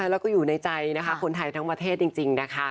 แล้วก็อยู่ในใจนะคะคนไทยทั้งประเทศจริงนะคะ